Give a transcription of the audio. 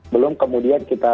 belum kemudian kita